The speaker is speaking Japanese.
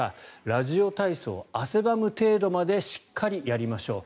ラジオ体操、汗ばむ程度までしっかりやりましょう。